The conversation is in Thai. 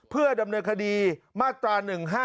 เพื่อดำเนินคดีมาตรา๑๕